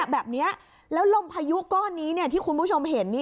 แบบนี้แล้วลมพายุก้อนนี้ที่คุณผู้ชมเห็น